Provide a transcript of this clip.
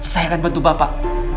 saya akan bantu bapak